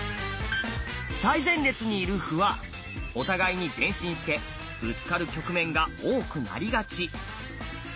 最前列にいる歩はお互いに前進してぶつかる局面が多くなりがち。